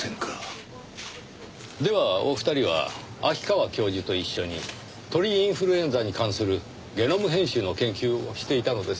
ではお二人は秋川教授と一緒に鳥インフルエンザに関するゲノム編集の研究をしていたのですね？